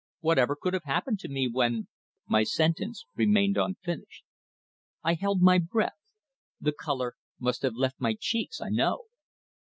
"Whatever could have happened to me, when " My sentence remained unfinished. I held my breath. The colour must have left my cheeks, I know.